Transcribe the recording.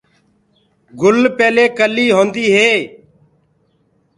گُل پيلي ڪلي هوندو هي۔